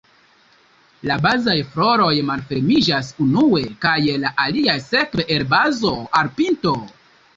La bazaj floroj malfermiĝas unue, kaj la aliaj sekve, el bazo al pinto.